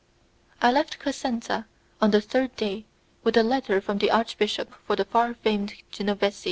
I left Cosenza on the third day with a letter from the archbishop for the far famed Genovesi.